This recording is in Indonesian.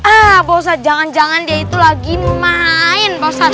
ah pak ustaz jangan jangan dia itu lagi main pak ustaz